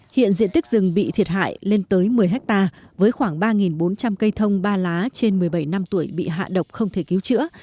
hiện diện tích rừng bị thiệt hại lên tới một mươi hectare với khoảng ba bốn trăm linh cây thông ba lá trên một mươi bảy năm tuổi bị hạ độc không thể cứu chữa